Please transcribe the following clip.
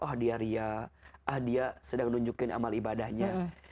oh dia ria ah dia sedang nunjukin amal ibadahnya